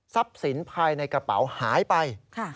สินภายในกระเป๋าหายไป